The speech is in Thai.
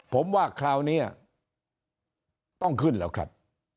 ผมว่าคราวนี้ต้องขึ้นแล้วครับ